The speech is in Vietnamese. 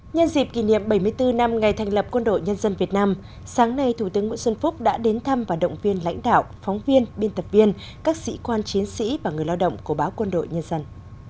nhân dịp kỷ niệm bảy mươi bốn năm ngày thành lập quân đội nhân dân việt nam sáng nay thủ tướng nguyễn xuân phúc đã đến thăm và động viên lãnh đạo phóng viên biên tập viên các sĩ quan chiến sĩ và người lao động của báo quân đội nhân dân